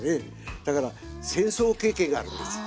だから戦争経験があるんですよ